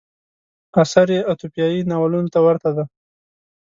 اثر یې اتوپیایي ناولونو ته ورته دی.